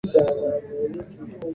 Kwa Yesu Mwanawe Mungu.